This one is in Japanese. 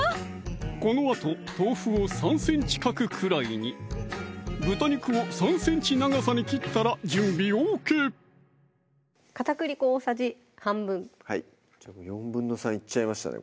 このあと豆腐を３ｃｍ角くらいに豚肉を３ｃｍ長さに切ったら準備ＯＫ片栗粉大さじ半分３／４いっちゃいましたね